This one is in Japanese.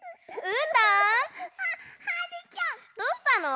えどうしたの？